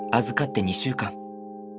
預かって２週間。